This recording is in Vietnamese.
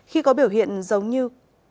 khi có biểu hiện giống như